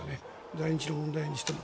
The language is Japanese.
在日の問題にしても。